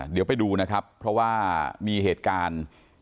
เดี๋ยวไปดูนะครับเพราะว่ามีเหตุการณ์